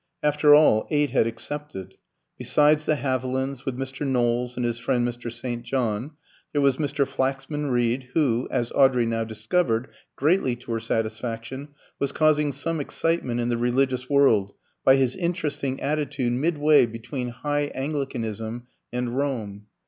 After all, eight had accepted. Besides the Havilands, with Mr. Knowles and his friend Mr. St. John, there was Mr. Flaxman Reed, who, as Audrey now discovered, greatly to her satisfaction, was causing some excitement in the religious world by his interesting attitude mid way between High Anglicanism and Rome.